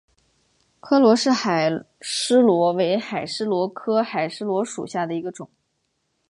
柯罗氏海蛳螺为海蛳螺科海蛳螺属下的一个种。